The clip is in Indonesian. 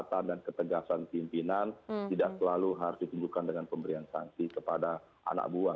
kesepakatan dan ketegasan pimpinan tidak selalu harus ditunjukkan dengan pemberian sanksi kepada anak buah